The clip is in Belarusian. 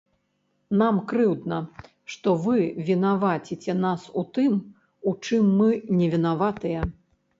Нам крыўдна, што вы вінаваціце нас у тым, у чым мы не вінаватыя.